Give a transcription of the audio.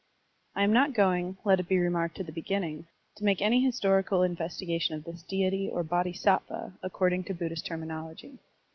I am not going, let it be remarked at the beginning, to make any historical investigation of this deity, or Bodhisattva according to Bud dhist terminology.